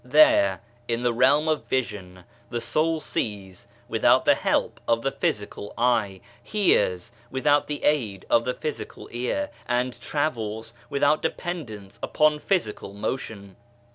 There, in the realm of vision, the soul sees without the help of the physical eye, hears without the aid of the physical ear, and travels without dependence upon physical motion.